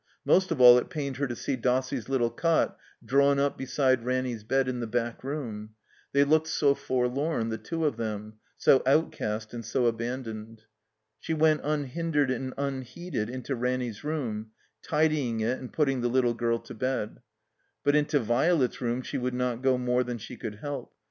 Most of all it pained her to see Dossie's little cot drawn up beside Ranny's bed in the back room; they looked so forlorn, the two of them; so outcast and so abandoned. She went unhindered and unheeded into Ranny's room, tid3ring it and putting the little girl to bed. But into Violet's room she would not go more than she could help.